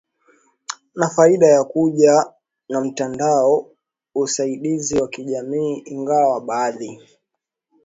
na faida ya kuja na mtandao usaidizi wa kijamii ingawa baadhi